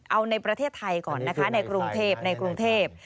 เอาในประเทศไทยก่อนนะคะในกรุงเทพฯ